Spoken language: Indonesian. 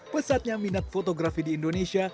pesatnya minat fotografi di indonesia